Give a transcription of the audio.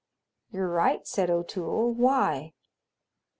"You're right," said O'Toole. "Why?"